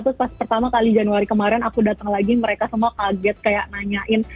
terus pas pertama kali januari kemarin aku datang lagi mereka semua kaget kayak nanyain